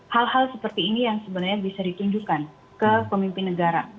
hal hal seperti ini yang sebenarnya bisa ditunjukkan ke pemimpin negara